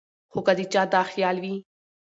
خو کۀ د چا دا خيال وي